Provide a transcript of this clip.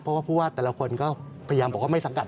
เพราะว่าผู้ว่าแต่ละคนก็พยายามบอกว่าไม่สังกัด